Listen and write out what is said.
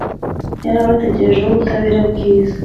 Yari abategerejeho ubutabera bwiza,